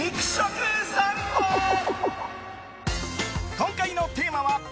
今回のテーマは。